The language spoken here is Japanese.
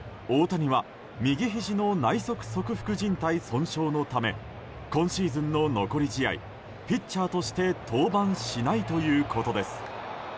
大谷は、右ひじの内側側副じん帯損傷のため今シーズンの残り試合ピッチャーとして登板しないということです。